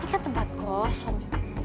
ini kan tempat kosong